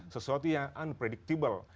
sesuatu yang unpredictable